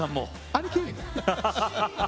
・兄貴！